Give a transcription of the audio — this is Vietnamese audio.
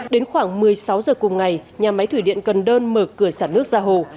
đến khoảng một mươi sáu giờ cùng ngày nhà máy thủy điện cần đơn mở cửa sản nước ra hồ